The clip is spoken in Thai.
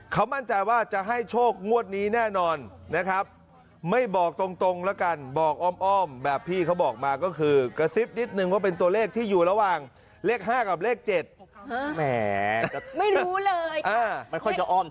เขามั่นใจว่าจะให้โชคงวดนี้แน่นอนนะครับไม่บอกตรงแล้วกันบอกอ้อมแบบพี่เขาบอกมาก็คือกระซิบนิดนึงว่าเป็นตัวเลขที่อยู่ระหว่างเลข๕กับเลข๗แหมไม่รู้เลย